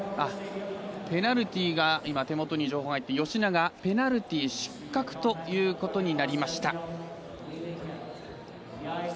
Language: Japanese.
ペナルティーが今手元に情報が入って吉永、ペナルティー失格ということになりました。